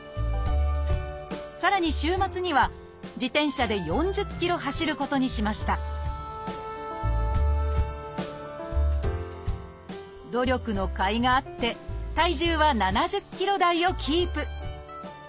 さらに週末には自転車で４０ｋｍ走ることにしました努力のかいがあって体重は７０ｋｇ台をキープ。